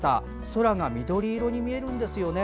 空が緑色に光るんですね。